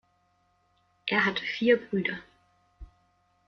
Er hatte vier Brüder.